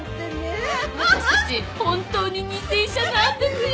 本当に偽医者なんですよ。